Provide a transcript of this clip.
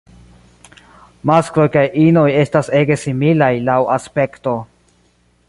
Maskloj kaj inoj estas ege similaj laŭ aspekto.